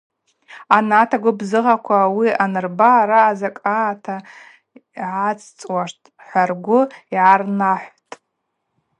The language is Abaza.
Анат агвыбзыгъаква ауи анырба – Араъа закӏ аъата гӏацӏцӏуаштӏ – хӏва ргвы йгӏарнахӏвтӏ.